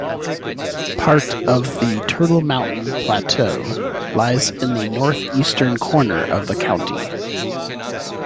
Part of the Turtle Mountain plateau lies in the northeastern corner of the county.